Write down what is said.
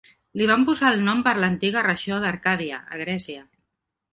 Li van posar el nom per l'antiga regió d'Arcàdia, a Grècia.